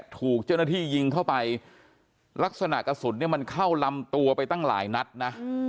ถูกเจ้าหน้าที่ยิงเข้าไปลักษณะกระสุนเนี่ยมันเข้าลำตัวไปตั้งหลายนัดนะ